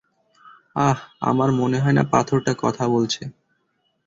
আহ, আমার মনে হয় না পাথরটা কথা বলছে।